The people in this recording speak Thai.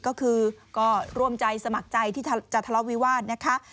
ก็คือก็ร่วมใจสมัครใจที่จะทะเลาะวิวาสนะคะ